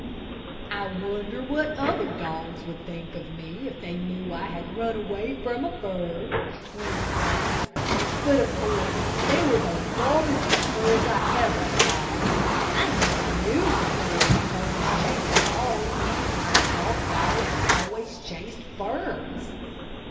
"I wonder what other dogs would think of me if they knew I had run away from a bird?" mused Ruddy. "But of course they were the largest birds I ever saw. I never knew before that birds chased dogs. I thought dogs always chased birds."